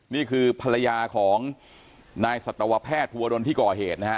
นี่คือภรรยาของนายสัตวแพทย์ภูวดลที่ก่อเหตุนะฮะ